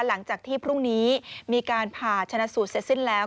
หลังจากที่พรุ่งนี้มีการผ่าชนะสูตรเสร็จสิ้นแล้ว